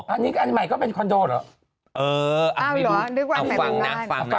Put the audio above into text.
อันนี้อันใหม่ก็เป็นคอนโดเหรอเออเอาฟังนะฟังนะ